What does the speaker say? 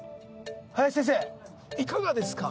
林先生いかがですか？